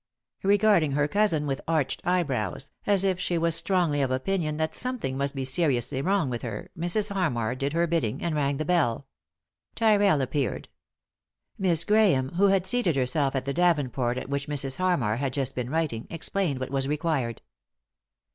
Regarding her cousin with arched eyebrows, as it she was strongly of opinion that something must be seriously wrong with her, Mrs. Harmar did her bidding, and rang the bell. Tyrrell appeared. Miss Grahame, who had seated herself at the davenport at which Mrs. Harmar had just been writing, explained what was required.